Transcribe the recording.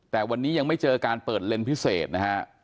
แต่วันนี้ยังไม่เจอการเปิดเลนส์พิเศษนะฮะ